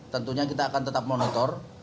tentunya kita akan tetap monitor